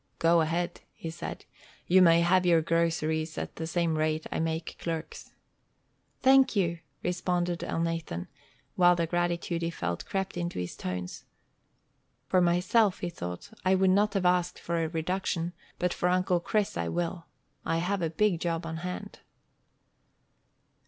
"Go ahead," he said. "You may have your groceries at the same rate I make clerks." "Thank you," responded Elnathan, while the gratitude he felt crept into his tones. "For myself," he thought, "I would not have asked for a reduction, but for Uncle Chris I will. I have a big job on hand."